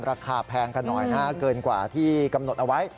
แพงกันหน่อยนะฮะเกินกว่าที่กำหนดเอาไว้